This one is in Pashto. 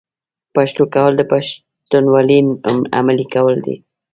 پښتو کول د پښتونولۍ عملي کول دي.